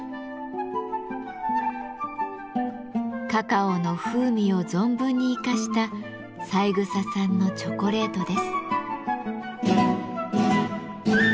カカオの風味を存分に生かした三枝さんのチョコレートです。